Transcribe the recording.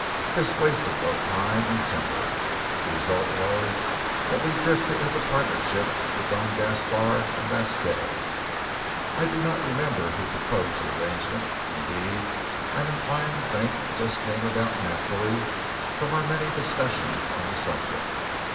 This wasted both time and temper. The result was that we drifted into partnership with Don Gaspar and Vasquez. I do not remember who proposed the arrangement; indeed, I am inclined to think it just came about naturally from our many discussions on the subject.